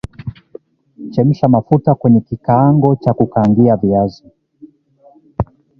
Chemsha mafuta kwenye kikaango cha kukaangia viazi